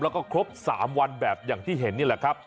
แล้วก็ครบ๓วันแบบอย่างที่เห็นนี่แหละครับ